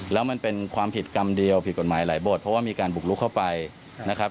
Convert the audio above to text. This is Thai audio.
แล้วมันเป็นความผิดกรรมเดียวผิดกฎหมายหลายบทเพราะว่ามีการบุกลุกเข้าไปนะครับ